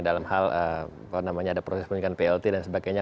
dalam hal kalau namanya ada proses penyelidikan plt dan sebagainya